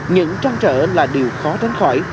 những trang trở là điều khó tránh khỏi